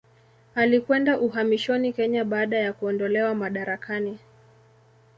Alikwenda uhamishoni Kenya baada ya kuondolewa madarakani.